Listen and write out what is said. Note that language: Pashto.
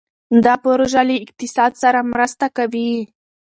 دا پروژه له اقتصاد سره مرسته کوي.